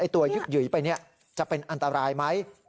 ตัวยึกหยุยไปเนี่ยจะเป็นอันตรายมั้ย